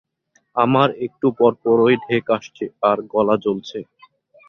আমার একটু পরপরই ঢেক আসছে আর গলা জলছে।